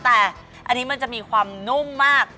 แต่อันนี้มันจะมีความนุ่มมาก